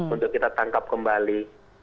untuk kita tangkap kembali